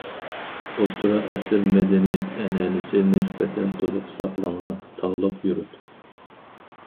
ئوتتۇرا ئەسىر مەدەنىيەت ئەنئەنىسى نىسبەتەن تولۇق ساقلانغان تاغلىق يۇرت.